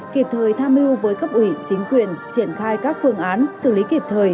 kịp thời tham mưu với cấp ủy chính quyền triển khai các phương án xử lý kịp thời